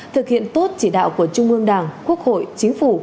thực hiện tốt chỉ đạo của trung ương đảng quốc hội chính phủ